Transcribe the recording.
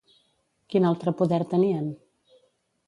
Quin altre poder tenien?